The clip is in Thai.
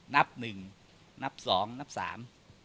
นับหนึ่งนับสองนับสาม